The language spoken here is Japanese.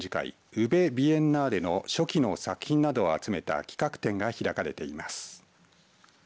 ＵＢＥビエンナーレの初期の作品など集めた企画展が開かれています。